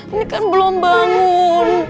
ini kan belum bangun